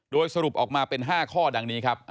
โดยสรุปออกมาเป็น๕ข้อดังนี้ครับ